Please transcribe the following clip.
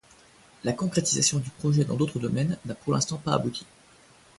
La concrétisation du projet dans d'autres domaines n'a pour l'instant pas abouti.